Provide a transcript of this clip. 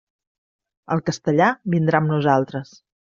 El castellà vindrà amb nosaltres.